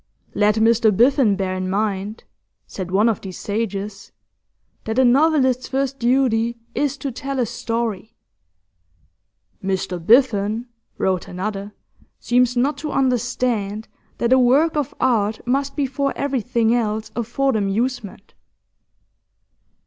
'Let Mr Biffen bear in mind,' said one of these sages, 'that a novelist's first duty is to tell a story.' 'Mr Biffen,' wrote another, 'seems not to understand that a work of art must before everything else afford amusement.